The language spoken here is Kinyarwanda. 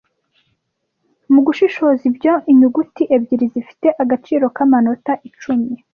Mugushishoza ibyo inyuguti ebyiri zifite agaciro kamanota icumi